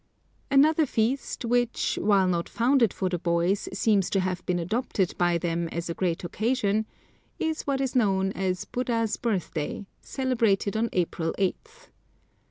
Another feast, which, while not founded for the boys, seems to have been adopted by them as a great occasion, is what is known as Buddha's birthday, celebrated on April eighth.